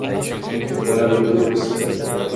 En Kuala Lumpur, Sta.